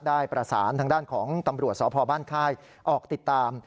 ได้ประสานทางด้านของตำรวจสพบ้านค่ายออกติดตาม